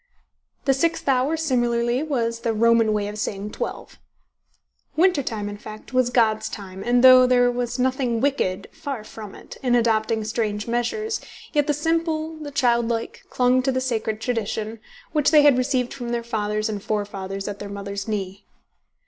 The sixth hour similarly was the Roman way of saying twelve. Winter time, in fact, was God's time, and though there was nothing wicked (far from it) in adopting strange measures, yet the simple, the childlike, clung to the sacred tradition, which they had received from their fathers and forefathers at their mother's knee.